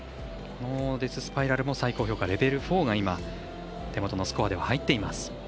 デススパイラルも最高評価レベル４が手元のスコアでは入っています。